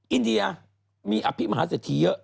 อินเดียมีอภิกษ์มหาเสถีเยอะ